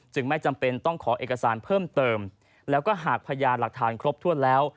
ไม่จำเป็นต้องขอเอกสารเพิ่มเติมแล้วก็หากพยานหลักฐานครบถ้วนแล้ว